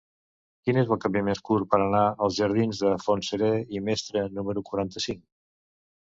Quin és el camí més curt per anar als jardins de Fontserè i Mestre número quaranta-cinc?